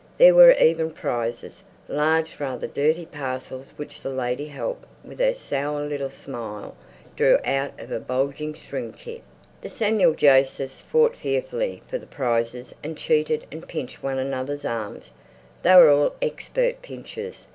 There were even prizes—large, rather dirty paper parcels which the lady help with a sour little smile drew out of a bulging string kit. The Samuel Josephs fought fearfully for the prizes and cheated and pinched one another's arms—they were all expert pinchers.